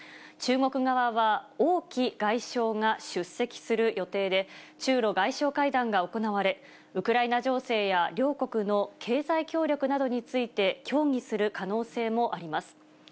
中国側は王毅外相が出席する予定で、中ロ外相会談が行われ、ウクライナ情勢や両国の経済協力などについて、協議する可能性もあります。